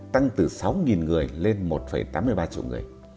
tăng từ sáu người lên một tám mươi ba triệu người